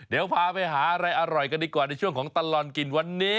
เดี๋ยวพาไปหาอะไรอร่อยกันดีกว่าในช่วงของตลอดกินวันนี้